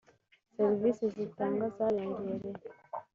“ Serivisi zitangwa zariyongereye